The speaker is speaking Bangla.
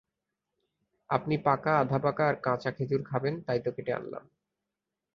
আপনি পাকা, আধপাকা আর কাঁচা খেজুর খাবেন, তাই তা কেটে আনলাম।